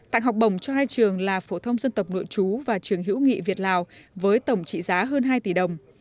tặng học bổng cho hai trường là phổ thông dân tộc nội chú và trường hữu nghị việt lào với tổng trị giá hơn hai tỷ đồng